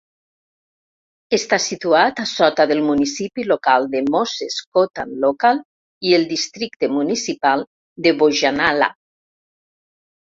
Està situat a sota del municipi local de Moses Kotane Local i el districte municipal de Bojanala.